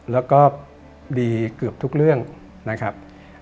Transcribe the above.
แล้วก็ดีเกือบทุกเรื่องนะครับ